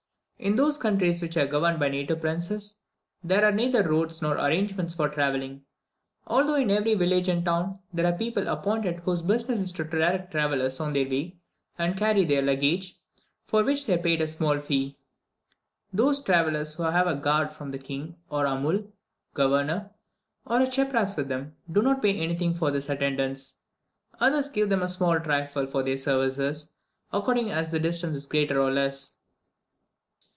In those countries which are governed by native princes, there are neither roads nor arrangements for travelling; although in every village and town there are people appointed whose business it is to direct travellers on their way and carry their luggage, for which they are paid a small fee. Those travellers who have a guard from the king or aumil (governor), or a cheprasse with them, do not pay anything for this attendance; others give them a trifle for their services, according as the distance is greater or less.